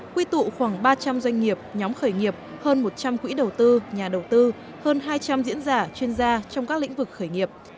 quy tụ khoảng ba trăm linh doanh nghiệp nhóm khởi nghiệp hơn một trăm linh quỹ đầu tư nhà đầu tư hơn hai trăm linh diễn giả chuyên gia trong các lĩnh vực khởi nghiệp